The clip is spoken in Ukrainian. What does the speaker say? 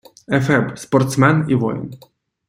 Ефеб - спортсмен і воїн